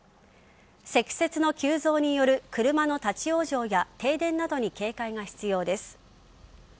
積雪の急増による車の立ち往生や停電などに警戒が必要です。